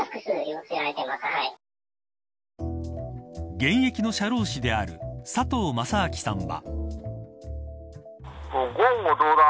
現役の社労士である佐藤正明さんは。